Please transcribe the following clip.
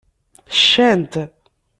Ccant.